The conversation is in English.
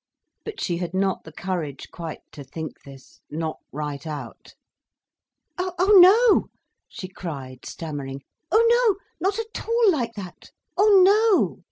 But she had not the courage quite to think this—not right out. "Oh no," she cried, stammering. "Oh no—not at all like that—oh no!